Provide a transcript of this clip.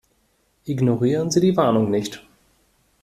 Ignorieren Sie die Warnung nicht.